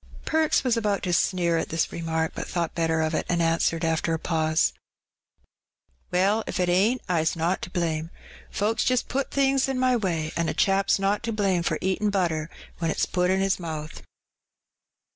Perks was about to sneer at this remark, but thought better of it, and answered, after a pause —" Well, if it ain't, Fs not to blame. Folks just put things in my way; an' a chap's not to blame for eatin' butter when it's put in his mouth."